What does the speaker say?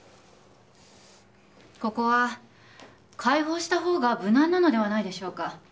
ここは解放した方が無難なのではないでしょうか？